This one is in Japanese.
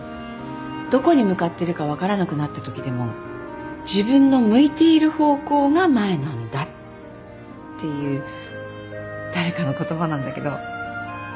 「どこに向かってるか分からなくなったときでも自分の向いている方向が前なんだ」っていう誰かの言葉なんだけど。